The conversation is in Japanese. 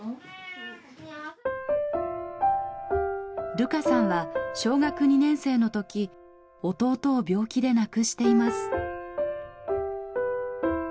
琉花さんは小学２年生のとき弟を病気で亡くしています。